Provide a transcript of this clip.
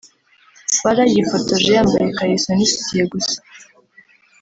Farrah yifotoje yambaye ikariso n’isutiya gusa